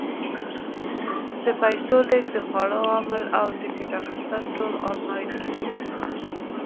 د پیسو لېږد، د خوړو امر، او ټکټ اخیستل ټول آنلاین کېږي.